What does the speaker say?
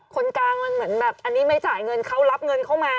คนกลางมันเหมือนแบบอันนี้ไม่จ่ายเงินเขารับเงินเข้ามา